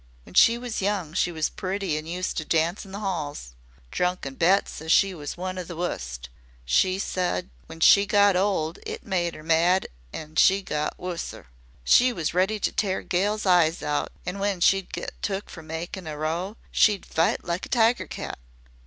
When she was young she was pretty an' used to dance in the 'alls. Drunken Bet says she was one o' the wust. When she got old it made 'er mad an' she got wusser. She was ready to tear gals eyes out, an' when she'd get took for makin' a row she'd fight like a tiger cat.